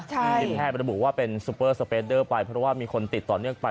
ทีมแพทย์ระบุว่าเป็นซูเปอร์สเปดเดอร์ไปเพราะว่ามีคนติดต่อเนื่องไป